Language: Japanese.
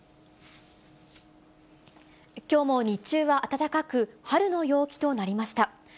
きょうも日中は暖かく、春の陽気となりました。